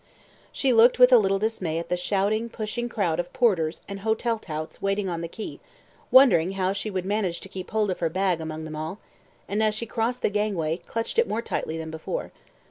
She looked with a little dismay at the shouting, pushing crowd of porters and hotel touts waiting on the quay, wondering how she would manage to keep hold of her bag among them all, and, as she crossed the gangway, clutched it more tightly than before.